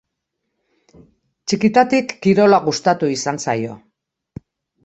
Txikitatik kirola gustatu izan zaio.